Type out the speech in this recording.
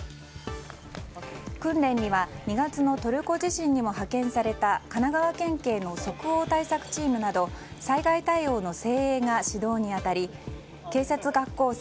訓練には２月のトルコ地震にも派遣された神奈川県警の即応対策チームなど災害対応の精鋭が指導に当たり警察学校生